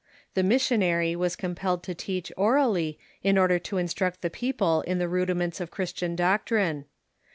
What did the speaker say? The missionary was com pelled to teach orally, in order to instruct the people in ^^^^ the rudiments of Christian doctrine.